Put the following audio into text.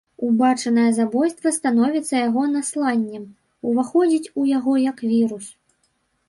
Убачанае забойства становіцца яго насланнем, уваходзіць у яго як вірус.